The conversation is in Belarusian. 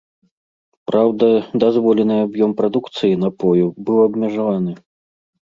Праўда, дазволены аб'ём прадукцыі напою быў абмежаваны.